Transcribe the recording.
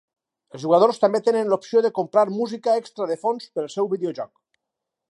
Els jugadors també tenen l'opció de comprar música extra de fons pel seu videojoc.